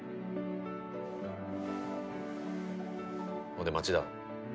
ほんで町田。